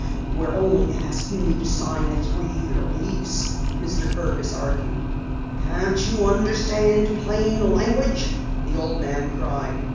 "We're only asking you to sign a three year lease " Mr. Fergus argued. "Can't you understand plain language?" the old man cried.